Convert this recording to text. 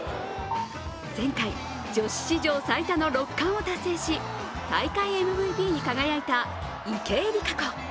前回、女子史上最多の６冠を達成し大会ＭＶＰに輝いた池江璃花子。